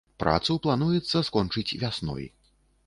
Працу плануецца скончыць вясной.